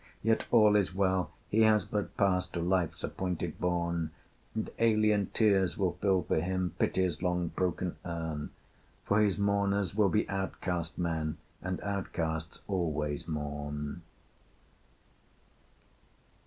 Yet all is well; he has but passed To Life's appointed bourne: And alien tears will fill for him Pity's long broken urn, For his mourner will be outcast men, And outcasts always mourn.